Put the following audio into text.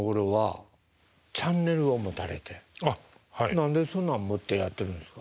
何でそんなの持ってやってるんですか？